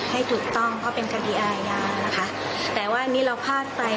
ให้ถูกต้องเพราะเป็นคดีอาญานะคะแต่ว่าอันนี้เราพลาดไป